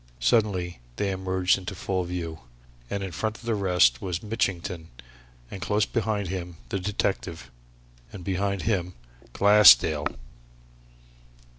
Suddenly they emerged into full view, and in front of the rest was Mitchington and close behind him the detective, and behind him Glassdale!